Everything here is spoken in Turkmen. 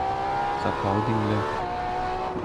Sapagy diňle